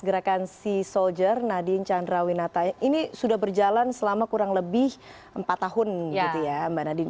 gerakan sea soldier nadine chandrawinata ini sudah berjalan selama kurang lebih empat tahun gitu ya mbak nadine